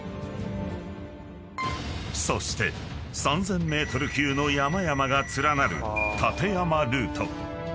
［そして３，０００ｍ級の山々が連なる立山ルート］